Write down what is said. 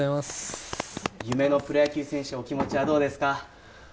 夢のプロ野球選手、お気持ちはどうですか？